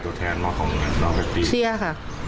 เพราะคนตายก่อนก็ตายเงินหน้า